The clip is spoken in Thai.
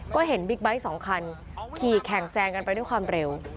ก็เห็นบิ๊กไบท์สองคันขี่แข่งแซงกันไปด้วยความเร็ว